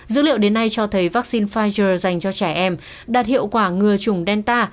dữ liệu đến nay cho thấy vaccine pfizer dành cho trẻ em đạt hiệu quả ngừa chủng delta